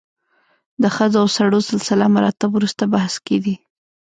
د ښځو او سړو سلسله مراتب وروسته بحث کې دي.